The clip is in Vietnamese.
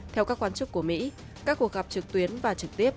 theo các quan chức của mỹ các cuộc gặp trực tuyến và trực tiếp